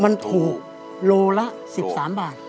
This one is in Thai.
มันถูกโลละ๑๓บาท